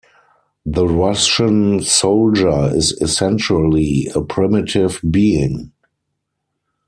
The Russian soldier is essentially a primitive being.